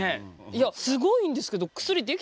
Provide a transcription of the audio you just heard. いやすごいんですけどええ！